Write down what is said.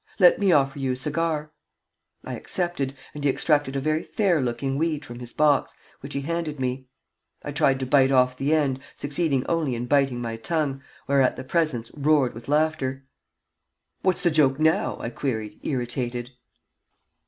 "Let me offer you a cigar." I accepted, and he extracted a very fair looking weed from his box, which he handed me. I tried to bite off the end, succeeding only in biting my tongue, whereat the presence roared with laughter. "What's the joke now?" I queried, irritated.